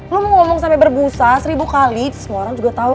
lo mau ngomong sampai berbusa seribu kali semua orang juga tahu